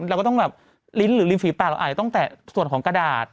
เราก็ต้องแบบลิ้นหรือริมฝีปากเราอาจจะต้องแตะส่วนของกระดาษ